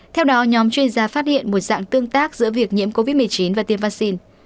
theo đó nhóm chuyên gia phát hiện một dạng tương tác giữa việc nhiễm covid một mươi chín và tiêm vaccine